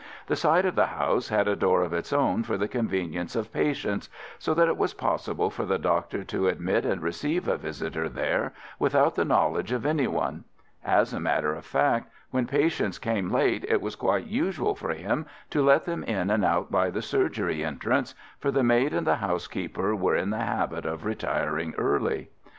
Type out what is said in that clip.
This side of the house had a door of its own for the convenience of patients, so that it was possible for the doctor to admit and receive a visitor there without the knowledge of any one. As a matter of fact, when patients came late it was quite usual for him to let them in and out by the surgery entrance, for the maid and the housekeeper were in the habit of retiring early.